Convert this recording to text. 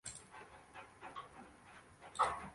Tinch okeani deyish juda urf boʻlgan